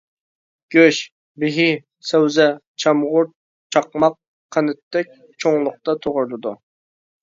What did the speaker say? گۆش، بېھى، سەۋزە، چامغۇر چاقماق قەنتتەك چوڭلۇقتا توغرىلىدۇ.